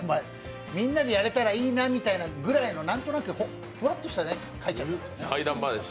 みんなでやれたらいいなぐらいの何となくふわっとしたことを書いちゃったんですよね。